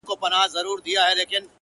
• زه د باد په مخ کي شګوفه یمه رژېږمه ,